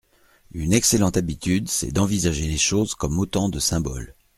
Une excellente habitude c'est d'envisager les choses comme autant de symboles.